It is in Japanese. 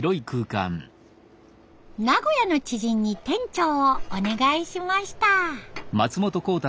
名古屋の知人に店長をお願いしました。